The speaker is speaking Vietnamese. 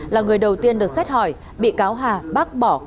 là người đầu tiên được xét hỏi bị cáo hà bác bỏ